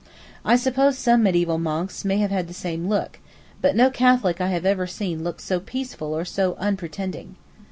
I suppose some medieval monks may have had the same look, but no Catholic I have ever seen looks so peaceful or so unpretending.